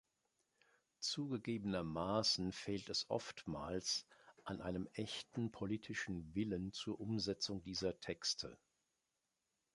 Zugegebenermaßen fehlt es oftmals an einem echten politischen Willen zur Umsetzung dieser Texte.